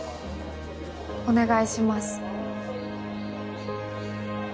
お願いします。